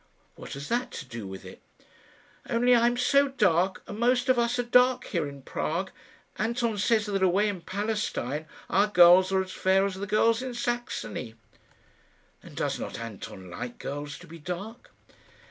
"What has that to do with it?" "Only I am so dark, and most of us are dark here in Prague. Anton says that away in Palestine our girls are as fair as the girls in Saxony." "And does not Anton like girls to be dark?"